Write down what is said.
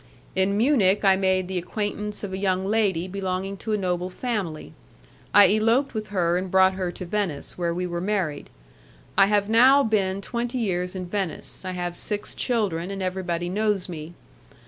In Munich I made the acquaintance of a young lady belonging to a noble family; I eloped with her and brought her to Venice, where we were married. I have now been twenty years in Venice. I have six children, and everybody knows me.